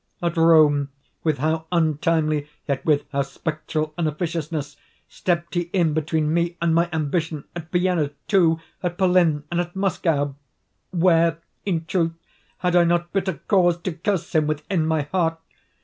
—at Rome, with how untimely, yet with how spectral an officiousness, stepped he in between me and my ambition! At Vienna, too—at Berlin—and at Moscow! Where, in truth, had I not bitter cause to curse him within my heart?